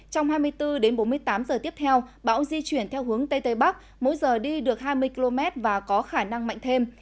trong hai mươi bốn đến bốn mươi tám giờ tiếp theo bão di chuyển theo hướng tây tây bắc mỗi giờ đi được hai mươi km và có khả năng mạnh thêm